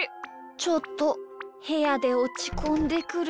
ちょっとへやでおちこんでくる。